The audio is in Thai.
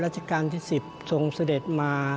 ราชการที่สิบส่งเสด็จมา